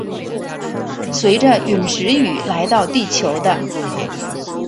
随着殒石雨来到地球的。